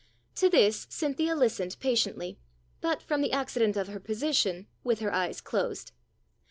To this Cynthia listened patiently, but, from the accident of her position, with her eyes closed.